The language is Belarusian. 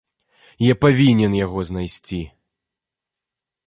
Я павінен яго знайсці.